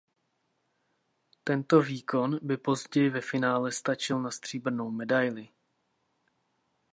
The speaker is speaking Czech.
Tento výkon by později ve finále stačil na stříbrnou medaili.